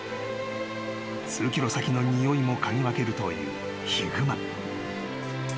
［数ｋｍ先のにおいも嗅ぎ分けるというヒグマ］